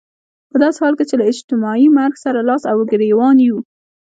په داسې حال کې چې له اجتماعي مرګ سره لاس او ګرېوان يو.